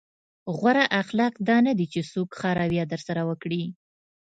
غوره اخلاق دا نه دي چې څوک ښه رويه درسره وکړي.